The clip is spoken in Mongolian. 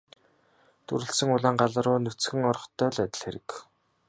Дүрэлзсэн улаан гал руу нүцгэн орохтой л адил хэрэг.